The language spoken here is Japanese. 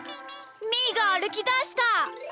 みーがあるきだした！